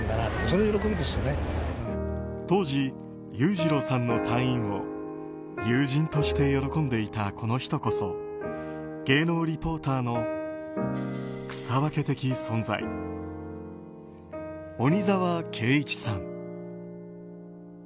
当時、裕次郎さんの退院を友人として喜んでいたこの人こそ芸能リポーターの草分け的存在鬼沢慶一さん。